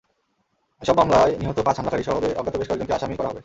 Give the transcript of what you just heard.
এসব মামলায় নিহত পাঁচ হামলাকারীসহ অজ্ঞাত বেশ কয়েকজনকে আসামি করা হবে।